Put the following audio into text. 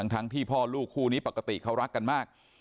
ทั้งที่พ่อลูกคู่นี้ปกติเขารักกันมาก